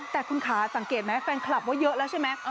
แต่คุณขาสังเกตไหมแฟนคลับว่าเยอะแล้วใช่ไหม